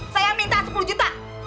saya minta sepuluh juta